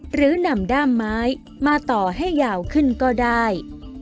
หรือนำด้ามไม้มาต่อให้ยาวขึ้นก็ได้